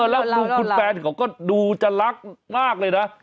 แล้วดูคุณแฟนเขาก็ดูจะรักมากเลยนะ